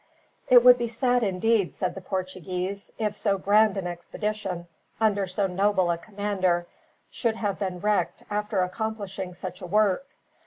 "It would be sad, indeed," said the Portuguese, "if so grand an expedition, under so noble a commander, should have been wrecked after accomplishing such a work.